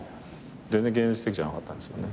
全然現実的じゃなかったんです。